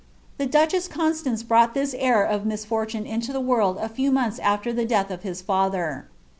The duchess CotulaaiB brouf^ht thin heir of misfortune into Uie world a few mouths afker th* dMih of his father.